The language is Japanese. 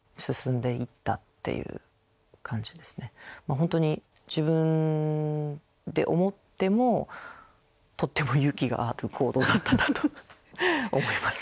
本当に自分で思ってもとっても勇気がある行動だったなと思います。